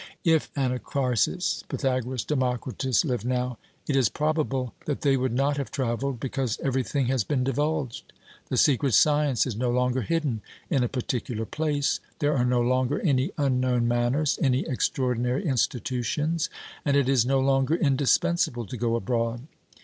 If Anacharsis, Pythagoras, Democritus lived now, it is probable that they would not have travelled, because every thing has been divulged ; the secret science is no longer hidden in a particular place, there are no longer any un known manners, any extraordinary institutions, and it is no longer indispensable to go abroad.